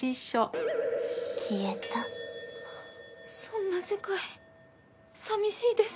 そんな世界寂しいです。